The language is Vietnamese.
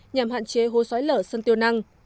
nhằm hạn chế hồ xói lở sân tiêu năng